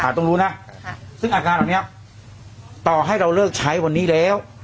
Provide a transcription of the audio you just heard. ค่ะต้องรู้นะค่ะซึ่งอาการแบบเนี้ยต่อให้เราเลิกใช้วันนี้แล้ว